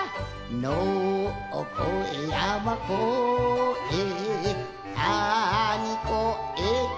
「のをこえやまこえたにこえて」